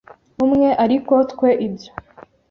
umwe ariko twe ibyo